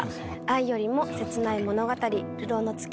愛よりも切ない物語『流浪の月』